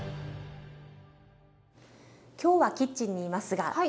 今日はキッチンにいますが。